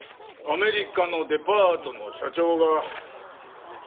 アメリカのデパートの社長がなぜあの絵を？